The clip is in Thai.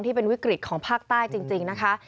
ที่เป็นวิกฤตของภาคใต้จริงนะคะ